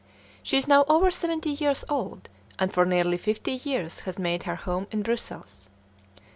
She is now over seventy years old, and for nearly fifty years has made her home in Brussels.